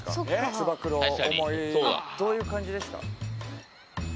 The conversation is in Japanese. つば九郎どういう感じでした？